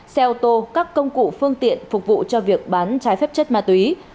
xe ô tô các công cụ phương tiện phục vụ cho việc bán trái phép chất ma túy